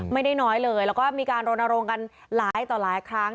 ไม่ได้น้อยเลยแล้วก็มีการรณรงค์กันหลายต่อหลายครั้ง